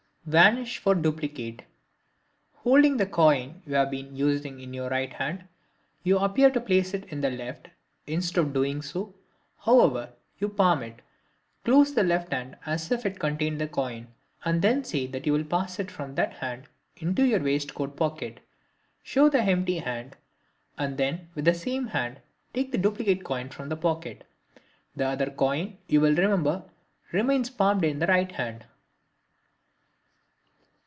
Vanish for Duplicate.—Holding the coin you have been using in your right hand, you appear to place it in the left; instead of doing so, however, you palm it. Close the left hand as if it contained the coin, and then say that you will pass it from that hand into your waistcoat pocket; show the hand empty and then with the same hand take the duplicate coin from the pocket. The other coin, you will remember, remains palmed in the right hand.